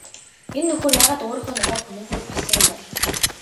Энэ нөхөр яагаад өөрийнхөө нохойг хөнөөхөөр болсон юм бол?